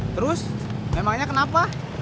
terus memangnya kenapa